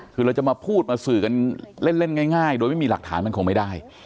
คือเราจะมาพูดมาสื่อกันเล่นง่ายโดยไม่มีหลักฐานมันคงไม่ได้